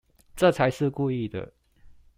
這才是故意的